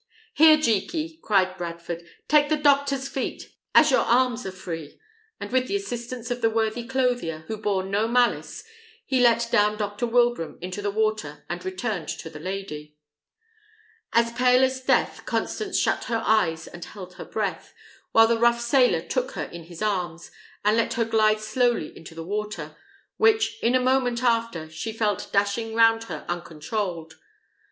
"Here, Jekey," cried Bradford, "take the doctor's feet, as your arms are free;" and with the assistance of the worthy clothier, who bore no malice, he let down Dr. Wilbraham into the water, and returned to the lady. As pale as death, Constance shut her eyes and held her breath, while the rough sailor took her in his arms, and let her glide slowly into the water, which in a moment after she felt dashing round her uncontrolled.